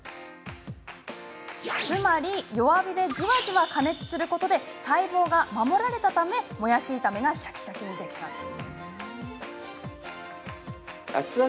つまり、弱火でじわじわ加熱することで細胞が守られたためもやし炒めがシャキシャキにできたんです。